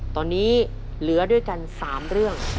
ตอนนี้เหลือด้วยกัน๓เรื่อง